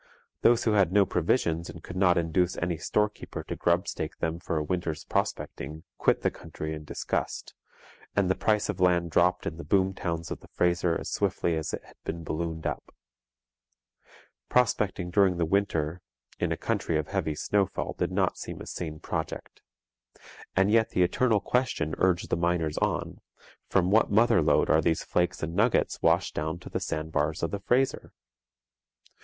Those who had no provisions and could not induce any storekeeper to grubstake them for a winter's prospecting, quit the country in disgust; and the price of land dropped in the boom towns of the Fraser as swiftly as it had been ballooned up. Prospecting during the winter in a country of heavy snowfall did not seem a sane project. And yet the eternal question urged the miners on: from what mother lode are these flakes and nuggets washed down to the sand bars of the Fraser?